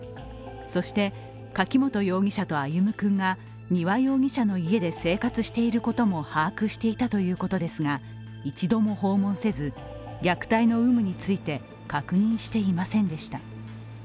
そして柿本容疑者と歩夢君が丹羽容疑者の家で生活していることも把握していたということですが、一度も訪問せず、虐待の有無について確認していませんでした。